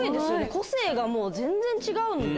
個性が全然違うので。